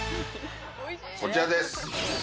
こちらです！